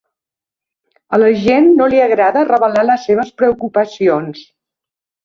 A la gent no li agrada revelar les seves preocupacions.